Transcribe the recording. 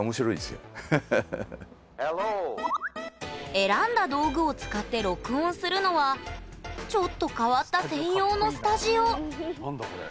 選んだ道具を使って録音するのはちょっと変わった専用のスタジオ何だこれ。